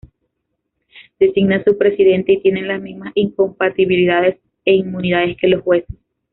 Designan su presidente y tienen las mismas incompatibilidades e inmunidades que los jueces.